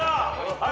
はい。